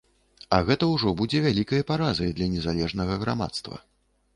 А гэта ўжо будзе вялікай паразай для незалежнага грамадства.